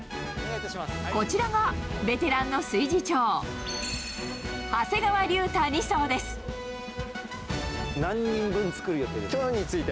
こちらがベテランの炊事長、何人分作る予定ですか？